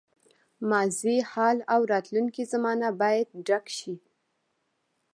ماضي، حال او راتلونکې زمانه باید ډک شي.